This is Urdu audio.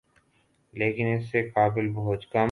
لیکن اس سے قبل بہت کم